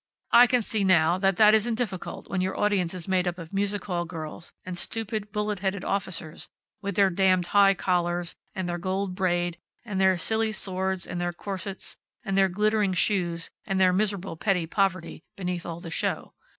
I can see, now, that that isn't difficult when your audience is made up of music hall girls, and stupid, bullet headed officers, with their damned high collars, and their gold braid, and their silly swords, and their corsets, and their glittering shoes and their miserable petty poverty beneath all the show.